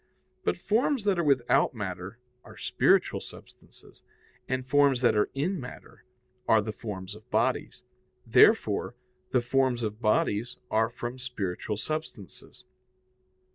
But forms that are without matter are spiritual substances, and forms that are in matter are the forms of bodies. Therefore, the forms of bodies are from spiritual substances.